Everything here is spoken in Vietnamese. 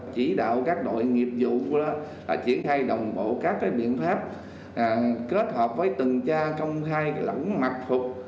chỉ đạo các đội nghiệp dụng triển khai đồng bộ các biện pháp kết hợp với từng cha công khai lẫn mặt phục